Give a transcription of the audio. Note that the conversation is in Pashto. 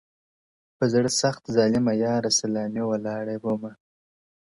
په زړه سخت ظالمه یاره سلامي ولاړه ومه-